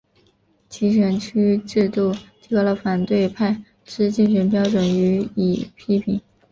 集选区制度提高了反对派之竞选标准予以批评。